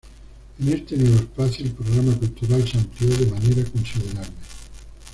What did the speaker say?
En este nuevo espacio, el programa cultural se amplió de manera considerable.